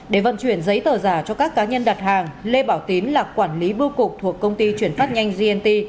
để vận chuyển giấy tờ giả cho các cá nhân đặt hàng lê bảo tín là quản lý bưu cục thuộc công ty chuyển phát nhanh gnt